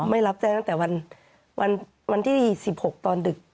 ไม่รับแจ้งตั้งแต่วันที่๑๖ตอนดึก